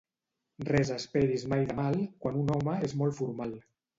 Res esperis mai de mal quan un home és molt formal.